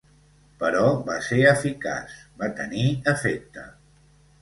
Però va ser eficaç, va tenir efecte.